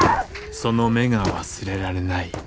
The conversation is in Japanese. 「その目が忘れられない」